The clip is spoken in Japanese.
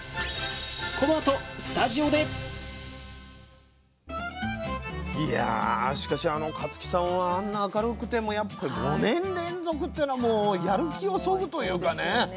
このあといやしかしあの香月さんはあんな明るくてもやっぱり５年連続っていうのはもうやる気をそぐというかね